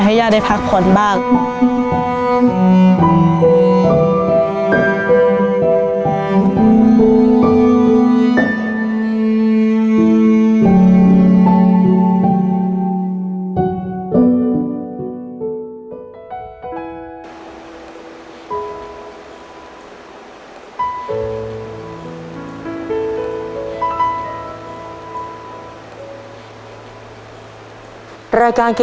ย่าได้พักผ่อนบ้าง